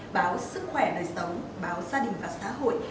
báo sức khỏe đời sống báo gia đình và xã hội